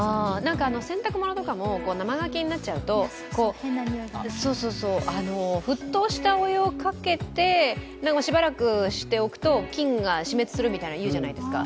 洗濯物とかも生乾きになっちゃうと、沸騰したお湯をかけてしばらくしておくと菌が死滅するみたいに言うじゃないですか。